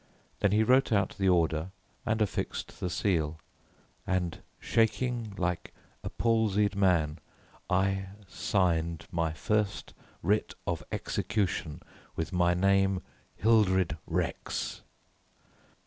Then he wrote out the order and affixed the seal, and shaking like a palsied man I signed my first writ of execution with my name Hildred Rex.